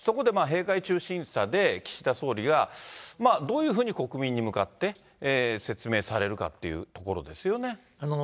そこで閉会中審査で岸田総理が、どういうふうに国民に向かって説明されるかっていうところですよ